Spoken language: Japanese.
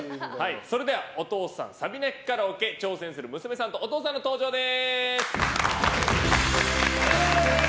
それではサビ泣きカラオケに挑戦する娘さんとお父さんの登場です！